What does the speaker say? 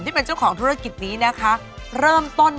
ไอล์โหลดแล้วคุณผู้ชมค่ะมีแต่ทำให้เรามีรอยยิ้ม